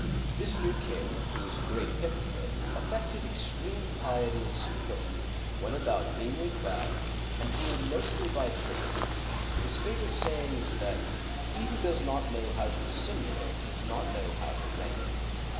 This new king, who was a great hypocrite, affected extreme piety and simplicity, went about meanly clad, and ruled mostly by trick ery. His favorite saying was that " he who does not know how to dis simulate does not know how to reign."